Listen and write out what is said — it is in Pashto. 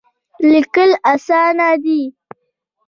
لیکل اسانه دی.